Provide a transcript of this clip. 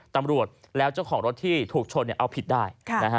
ตำรวจแล้วเจ้าของรถที่ถูกชนเอาผิดได้